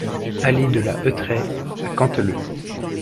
Allée de la Hetraie à Canteleu